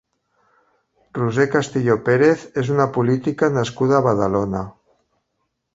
Roser Castillo Pérez és una política nascuda a Badalona.